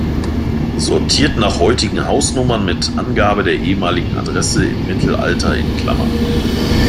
Sortiert nach heutigen Hausnummern mit Angabe der ehemaligen Adresse im Mittelalter in Klammer.